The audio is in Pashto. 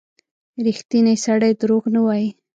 • ریښتینی سړی دروغ نه وايي.